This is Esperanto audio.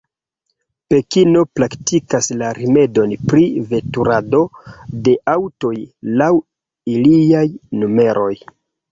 Pekino praktikas la rimedon pri veturado de aŭtoj laŭ iliaj numeroj.